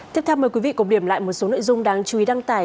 tiếp theo mời quý vị cùng điểm lại một số nội dung đáng chú ý đăng tải